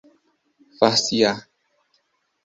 far-se-á